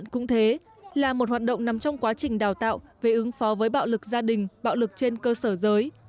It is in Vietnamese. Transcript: cũng thế là một hoạt động nằm trong quá trình đào tạo về ứng phó với bạo lực gia đình bạo lực trên cơ sở giới